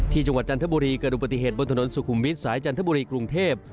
จังหวัดจันทบุรีเกิดอุบัติเหตุบนถนนสุขุมวิทย์สายจันทบุรีกรุงเทพ